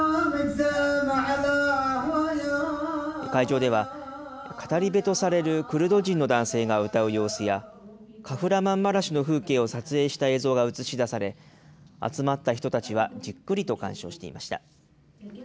会場では、語り部とされるクルド人の男性が歌う様子や、カフラマンマラシュの風景を撮影した映像が映し出され、集まった人たちはじっくりと鑑賞していました。